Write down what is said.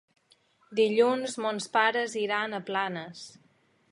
Dilluns mons pares iran a Planes.